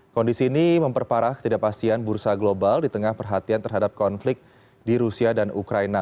kondisi ini memperparah ketidakpastian bursa global di tengah perhatian terhadap konflik di rusia dan ukraina